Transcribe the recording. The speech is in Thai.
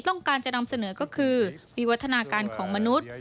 ต้องการจะนำเสนอก็คือวิวัฒนาการของมนุษย์